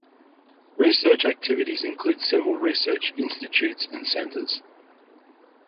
Research activities include several research institutes and centres.